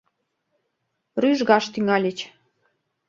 Рӱжгаш тӱҥальыч: